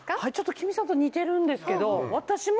ＫＩＭＩさんと似てるんですけど私も。